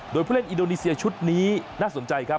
โดยผู้เล่นอินโดนีเซียชุดนี้น่าสนใจครับ